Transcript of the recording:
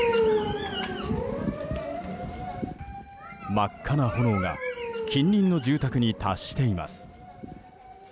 真っ赤な炎が近隣の住宅に達しています。